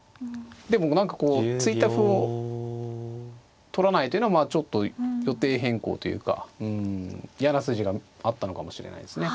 でも何かこう突いた歩を取らないというのはまあちょっと予定変更というか嫌な筋があったのかもしれないですね。